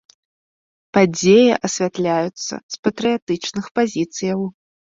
Падзеі асвятляюцца з патрыятычных пазіцыяў.